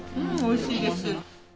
おいしいです。